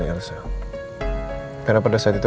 kalau dia mau minum